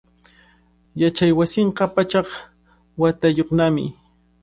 Yachaywasinqa pachak watayuqnami.